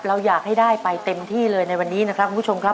เราอยากให้ได้ไปเต็มที่เลยในวันนี้นะครับคุณผู้ชมครับ